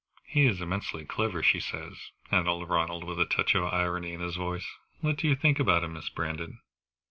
He is immensely clever, she says," added Ronald, with a touch of irony in his voice. "What do you think about him, Miss Brandon?"